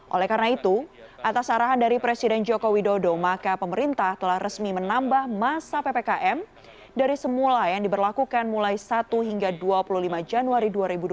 oleh karena itu atas arahan dari presiden joko widodo maka pemerintah telah resmi menambah masa ppkm dari semula yang diberlakukan mulai satu hingga dua puluh lima januari dua ribu dua puluh